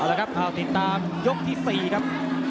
เอาละครับเพราะติดตามยกที่๔ครับ